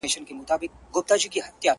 په غیرت مو لاندي کړي وه ملکونه؛